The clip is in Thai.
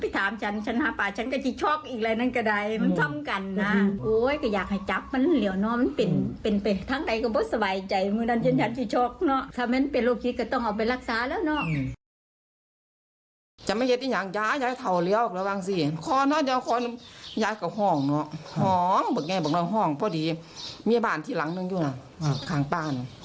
ถ้าเป็นโรคดีก็ต้องเอาไปรักษาแล้วนะ